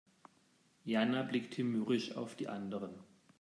Jana blickte mürrisch auf die anderen.